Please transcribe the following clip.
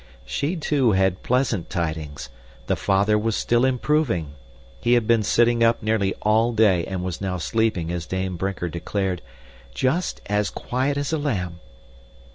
She, too, had pleasant tidings. The father was still improving. He had been sitting up nearly all day and was now sleeping as Dame Brinker declared, "Just as quiet as a lamb."